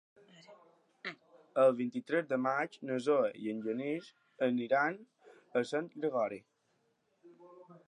El vint-i-tres de maig na Zoè i en Genís iran a Sant Gregori.